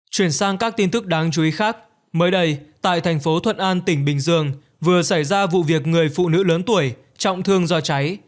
chuyển sang các tin tức đáng chú ý khác mới đây tại thành phố thuận an tỉnh bình dương vừa xảy ra vụ việc người phụ nữ lớn tuổi trọng thương do cháy